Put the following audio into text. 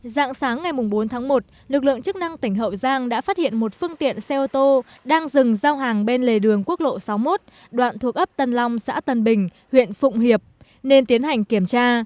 dạng sáng ngày bốn tháng một lực lượng chức năng tỉnh hậu giang đã phát hiện một phương tiện xe ô tô đang dừng giao hàng bên lề đường quốc lộ sáu mươi một đoạn thuộc ấp tân long xã tân bình huyện phụng hiệp nên tiến hành kiểm tra